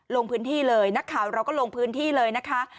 ลงพื้นที่เลยนักข่าวเราก็ลงพื้นที่เลยนะคะ